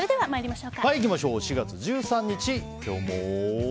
４月１３日、今日も。